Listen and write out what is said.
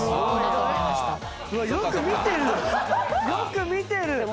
よく見てる。